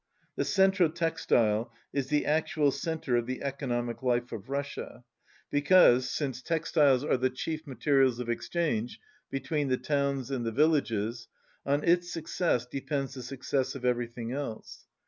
The "Centro Textile" is the actual centre of the econoriiic life of Russia, because, since textiles 143 are the chief materials of exchange between the towns and the villages, on its success depends the success of everything else.